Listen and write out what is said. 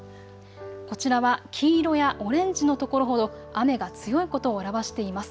こちらは黄色やオレンジの所ほど雨が強いことを表しています。